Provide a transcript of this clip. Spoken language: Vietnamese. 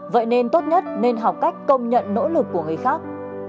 vậy nên tốt nhất nên học cách công nhận nỗ lực của người khác